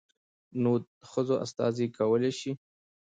نود ښځو استازي کولى شي.